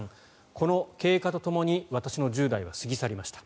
この経過とともに私の１０代は過ぎ去りました。